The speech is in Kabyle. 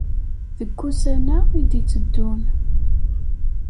Deg wussan-a i d-itteddun.